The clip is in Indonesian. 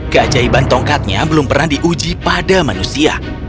keajaiban tongkatnya belum pernah diuji pada manusia